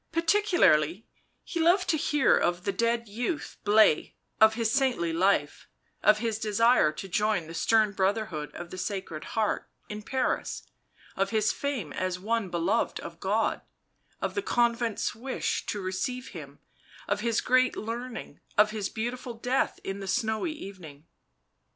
Particularly he loved to hear of the dead youth Blaise, of his saintly life, of his desire to join the stern Brotherhood of the Sacred Heart, in Paris, of his fame as one beloved of God, of the convent's wish to receive him, of his great learning, of his beautiful death in the snowy evening.